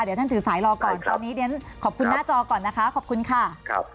เดี๋ยวท่านถือสายรอก่อนตอนนี้เดี๋ยวขอบคุณหน้าจอก่อนนะคะขอบคุณค่ะ